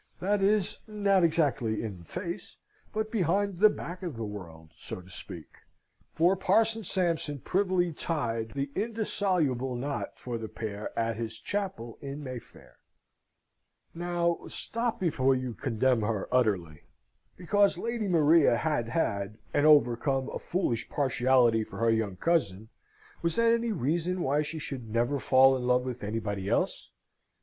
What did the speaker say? That is, not exactly in the face, but behind the back of the world, so to speak; for Parson Sampson privily tied the indissoluble knot for the pair at his chapel in Mayfair. Now stop before you condemn her utterly. Because Lady Maria had had, and overcome, a foolish partiality for her young cousin, was that any reason why she should never fall in love with anybody else?